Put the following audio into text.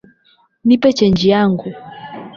Nipe chenji yangu"